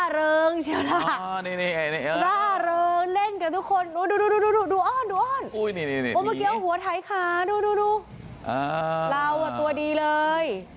อ๋อเดี๋ยวตัวดีเลย